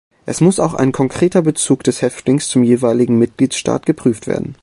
Es muss auch ein konkreter Bezug des Häftlings zum jeweiligen Mitgliedstaat geprüft werden.